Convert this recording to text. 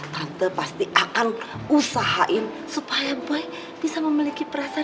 tante pasti akan usahain supaya boy bisa tahan keadaan